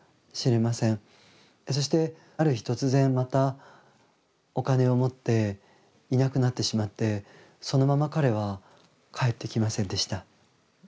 そしてある日突然またお金を持っていなくなってしまってそのまま彼は帰ってきませんでした。